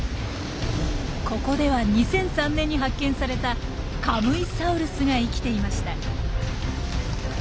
ここでは２００３年に発見されたカムイサウルスが生きていました。